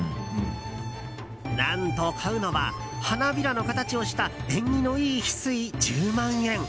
何と買うのは花びらの形をした縁起のいいヒスイ、１０万円。